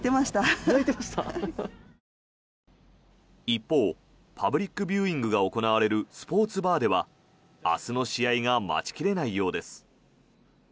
一方パブリックビューイングが行われるスポーツバーでは明日の試合が待ち切れないようです。